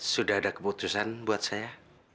sudah ada keputusan buat saya